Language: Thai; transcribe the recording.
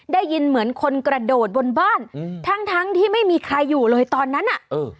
ได้ยินเหมือนคนกระโดดบนบ้านอืมทั้งทั้งที่ไม่มีใครอยู่เลยตอนนั้นอ่ะเออ